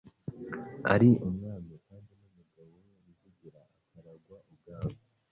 ari umwami, kandi n'umugabo we Rujugira akaragwa ubwami.